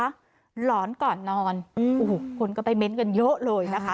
หลอนก่อนนอนโอ้โหคนก็ไปเม้นต์กันเยอะเลยนะคะ